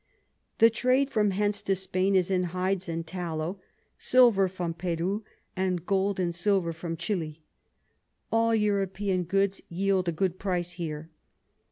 The Trade from hence to Spain is in Hides and Tallow, Silver from Peru, and Gold and Silver from Chili. All European Goods yield a good Price here.